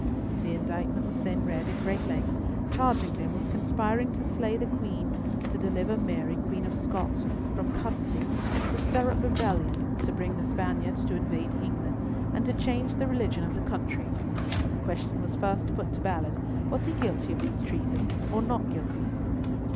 The indictment was then read at great length, charging them with conspiring to slay the Queen, to deliver Mary, Queen of Scots, from custody, to stir up rebellion, to bring the Spaniards to invade England, and to change the religion of the country. The question was first put to Ballard, Was he guilty of these treasons or not guilty?